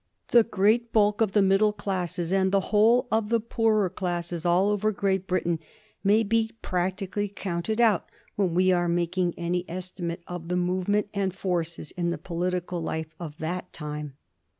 The great bulk 240 A HISTORY OF THE FOUR 6£0RGES. cb. zxztu. of the middle classes, and the whole of the poorer classes all over Great Britain, may be practically counted out when we are making any estimate of the movement and forces in the political life of that time.